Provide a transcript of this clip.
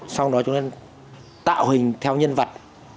sau đó chúng ta nên tạo hình theo nhân vật